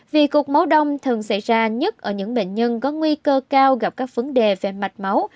vì cục máu đông thường xảy ra nhất ở những bệnh nhân có nguy cơ cao gặp các vấn đề về mạch máu